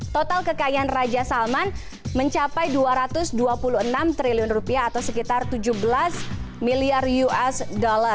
total kekayaan raja salman mencapai dua ratus dua puluh enam triliun rupiah atau sekitar tujuh belas miliar usd